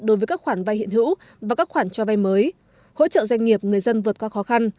đối với các khoản vay hiện hữu và các khoản cho vay mới hỗ trợ doanh nghiệp người dân vượt qua khó khăn